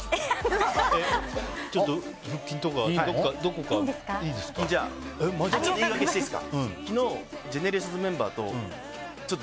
ちょっと腹筋とかどこか、いいですか？